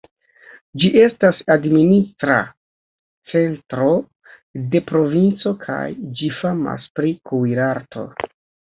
Ĝi estas administra centro de provinco kaj ĝi famas pri kuirarto.